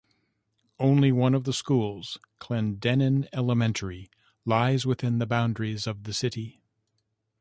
Only one of the schools-Clendenin Elementary-lies within the boundaries of the city.